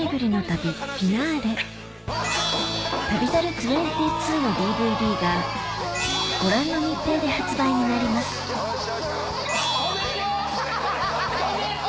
『旅猿２２』のＤＶＤがご覧の日程で発売になります止めて！